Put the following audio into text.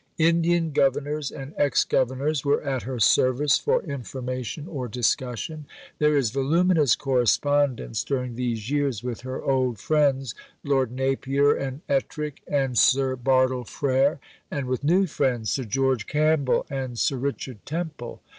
Indian Governors and ex Governors were at her service for information or discussion. There is voluminous correspondence during these years with her old friends, Lord Napier and Ettrick and Sir Bartle Frere, and with new friends, Sir George Campbell and Sir Richard Temple.